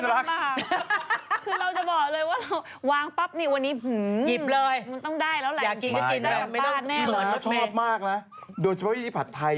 เขาติดสวนที่เหมือนใหม่ผมก็อ่านไม่ได้